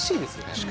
確かに。